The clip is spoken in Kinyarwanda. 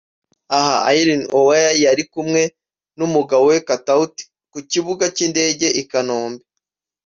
Aha Irene Uwoya yari kumwe n'umugabo we Katauti ku kibuga cy'indege i Kanombe